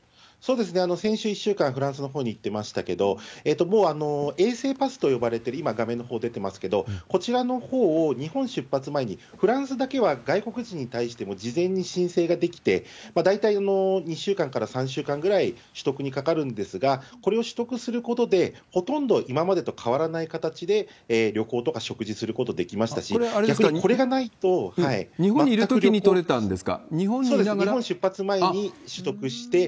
先週１週間、フランスのほうに行ってましたけど、もう衛生パスと呼ばれてる、今、画面のほう出てますけれども、こちらのほうを、日本出発前にフランスだけは外国人に対して事前に申請ができて、大体２週間から３週間ぐらい取得にかかるんですが、これを取得することで、ほとんど、今までと変わらない形で旅行とか食事することができましたし、逆これ、日本にいるときに取れたんですか？